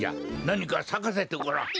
なにかさかせてごらん。